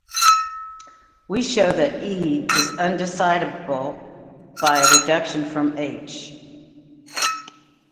We show that "E" is undecidable by a reduction from "H".